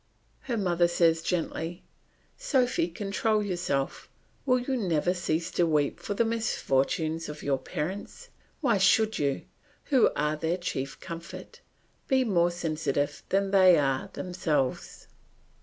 Her mother says gently, "Sophy, control yourself; will you never cease to weep for the misfortunes of your parents? Why should you, who are their chief comfort, be more sensitive than they are themselves?"